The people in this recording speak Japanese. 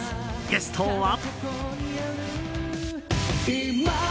ゲストは。